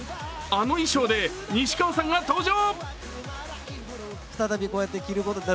あの衣装で西川さんが登場！